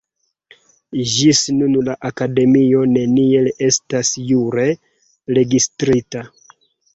Ĝis nun la Akademio neniel estas jure registrita.